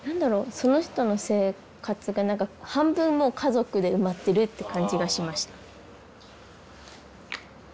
その人の生活が何か半分もう家族で埋まってるって感じがしました。